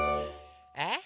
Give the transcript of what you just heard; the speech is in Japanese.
えっ？